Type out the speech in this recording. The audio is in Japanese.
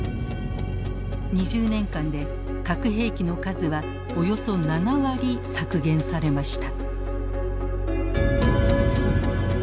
２０年間で核兵器の数はおよそ７割削減されました。